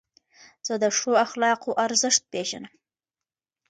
زه د ښو اخلاقو ارزښت پېژنم.